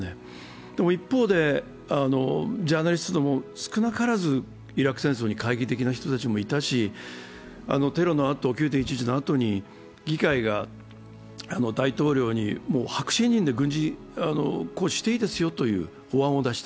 でも一方で、ジャーナリストでも少なからずイラク戦争に懐疑的な人もいたし、９・１１のあとに議会が大統領に、白紙委任で軍事行使していいですよという法案を出した。